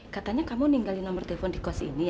katanya kamu ninggalin nomor telepon di kos ini